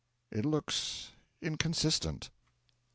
It looks inconsistent.